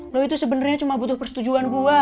lo itu sebenarnya cuma butuh persetujuan gue